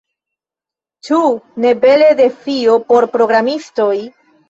Ĉu ne bela defio por programistoj?